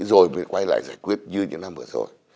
rồi mới quay lại giải quyết như những năm vừa rồi